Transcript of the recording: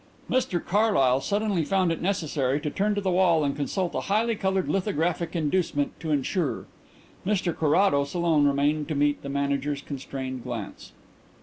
_'" Mr Carlyle suddenly found it necessary to turn to the wall and consult a highly coloured lithographic inducement to insure. Mr Carrados alone remained to meet the Manager's constrained glance.